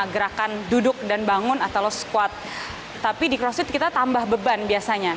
gerakan duduk dan bangun atau squad tapi di crossfit kita tambah beban biasanya